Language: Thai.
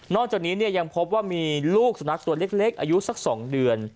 จากนี้ยังพบว่ามีลูกสุนัขตัวเล็กอายุสัก๒เดือน